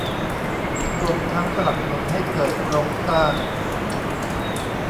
รวมทั้งสนับสนุนให้เกิดโครงสร้าง